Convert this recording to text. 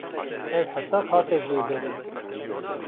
Ev hesab hate jêbirin.